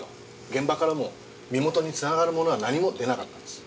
現場からも身元につながるものは何も出なかったんです。